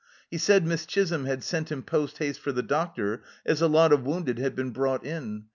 He said Miss Chisholm had sent him post haste for the doctor, as a lot of wounded had been brought in.